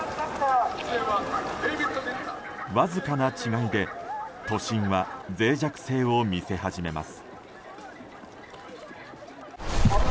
わずかな違いで都心は脆弱性を見せ始めます。